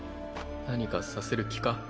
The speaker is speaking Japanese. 何かさせる気か？